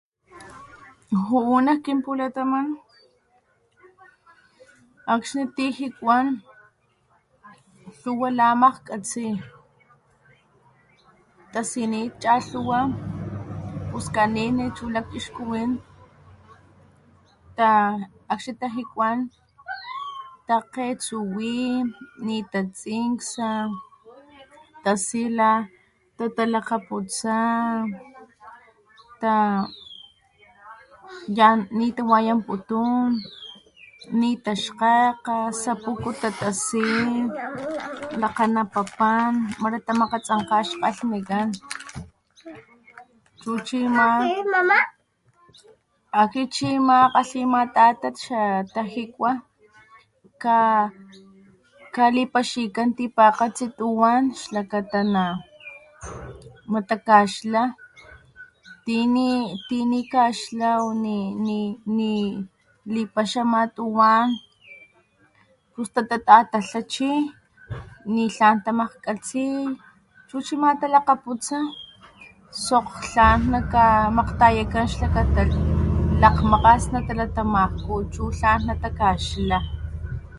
Ju´u nak kinpulataman akxni ti jikuan tluwa la makkgatsi tasinit chatluwa puskanitni chu lakchixkuwin ta akxni tajikuan takgetsuwi nita tsinkssa tasi la tatalakgaputsa ta yan nitawayanputun nita xkgekga sapuku tatasi lakganapapan mara tamakgatasnkga ix kgalhnikan chu chi ama akxi chi ama takgatli ama tatat xa tajikua kalipaxikan tipakgatsi tuwan xlakata natakaxla tini tini kaxla o ni nili nilipaxa ama tuwan pus tatatatla chi ni tlan tamakkgatsi chu chi ama talakgaputsa sokg tlan nakamakgtayakan xlakata lakgmakgas natalatamajku chu tlan natakaxla